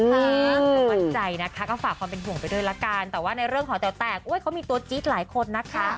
แต่มั่นใจนะคะก็ฝากความเป็นห่วงไปด้วยละกันแต่ว่าในเรื่องของแต๋วแตกเขามีตัวจี๊ดหลายคนนะคะ